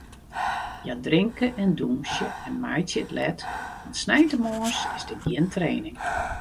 Hja drinke en dûnsje en meitsje it let, want sneintemoarns is der gjin training.